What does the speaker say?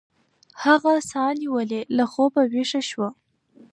هغه ساه نیولې له خوبه ویښه شوه.